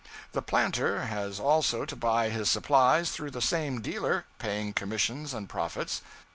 The planter has also to buy his supplies through the same dealer, paying commissions and profits.